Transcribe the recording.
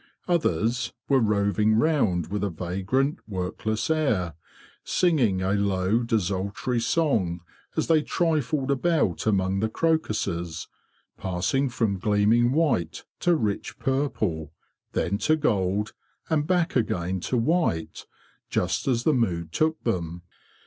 Others were roving round with a vagrant, workless air, singing a low desultory song as they trifled about among the crocuses, passing from gleaming white to rich purple, then to gold, and back again to white, just as the mood took them.